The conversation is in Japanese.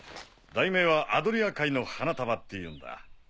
題名は『アドリア海の花束』っていうんだ。